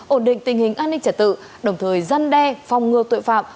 ổn định tình hình an ninh trả tự đồng thời gian đe phòng ngừa tội phạm